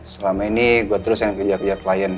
selama ini gue terus yang kejar kejar klien